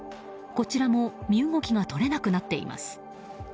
こちらも身動きが取れなくなっています。